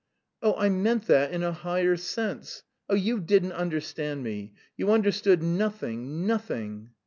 "Oh, I meant that in a higher sense! Oh, you didn't understand me! You understood nothing, nothing."